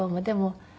でも。